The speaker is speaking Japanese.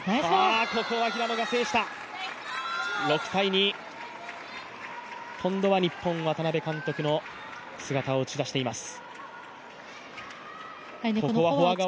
ここは平野が制した、６−２。今度は日本、渡辺監督の姿を映し出しています。